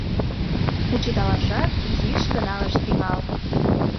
Кучедалашат изиш гына ышт тӱҥал.